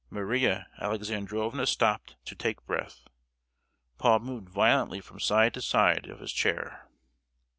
Maria Alexandrovna stopped to take breath. Paul moved violently from side to side of his chair.